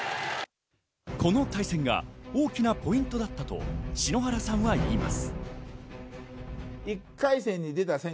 この対戦が大きなポイントだったと篠原さんは言います。